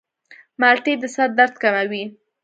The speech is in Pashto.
مالټې د سر درد کموي.